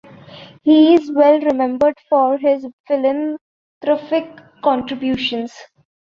He is well remembered for his philanthropic contributions.